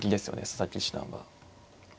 佐々木七段は。